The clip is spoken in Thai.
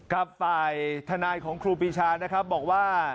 กับฝ่ายทนายของครูปีชานะครับบอกว่า